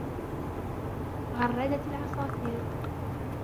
غردت العصافير.